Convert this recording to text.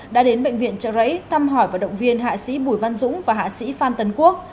đã đến bệnh viện trợ rẫy thăm hỏi và động viên hạ sĩ bùi văn dũng và hạ sĩ phan tấn quốc